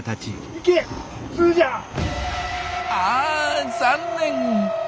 あ残念！